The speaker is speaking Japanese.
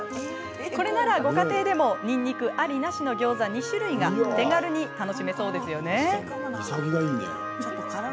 これならご家庭でもにんにくありなしのギョーザ２種類が手軽に楽しめそうですよね。